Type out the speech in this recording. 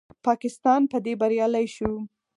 پاکستان په دې بریالی شو